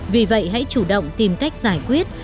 vì vậy hãy chủ động tìm cách giải quyết